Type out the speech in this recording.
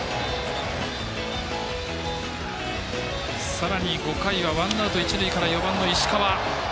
さらに５回はワンアウト、一塁から４番の石川。